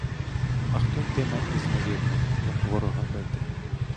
А хто йтиме із невірних — як ворога бити.